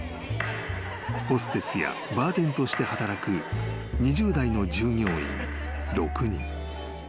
［ホステスやバーテンとして働く２０代の従業員６人］